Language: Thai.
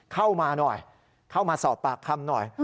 เข้ามาหน่อยเข้ามาสอบปากคำหน่อย